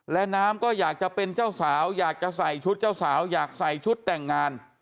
และน้ำก็อยากจะเป็นเจ้าสาวอยากจะใส่ชุดเจ้าสาวอยากใส่ชุดแต่งงาน